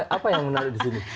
apa yang menarik di sini